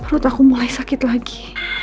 lut aku mulai sakit lagi